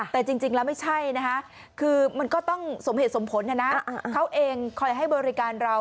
แต่จริงแล้วไม่ใช่นะคะคือมันก็ต้องสมเหตุสมผลนะนะเขาเองคอยให้บริการเรา